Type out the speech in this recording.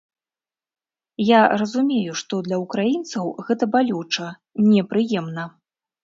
Я разумею, што для ўкраінцаў гэта балюча, непрыемна.